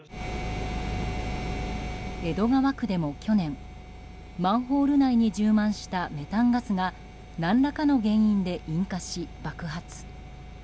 江戸川区でも去年マンホール内に充満したメタンガスが何らかの原因で引火し、爆発。